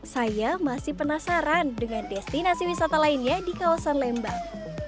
saya masih penasaran dengan destinasi wisata lainnya di kawasan lembang